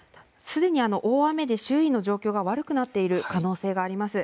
すでに大雨で周囲の状況が悪くなっている可能性があります。